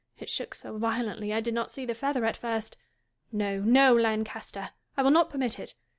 It shook so violently I did not see the feather at first. No, no, Lancaster ! I will not permit it.